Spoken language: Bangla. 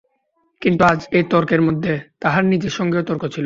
কিন্তু আজ এই তর্কের মধ্যে তাহার নিজের সঙ্গেও তর্ক ছিল।